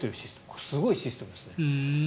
これ、すごいシステムですね。